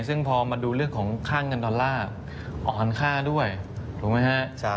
ซึ่งพอมาดูเรื่องของค่าเงินดอลลาร์อ่อนค่าด้วยถูกไหมฮะ